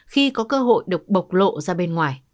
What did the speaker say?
khi có cơ hội được bộc lộ ra bên ngoài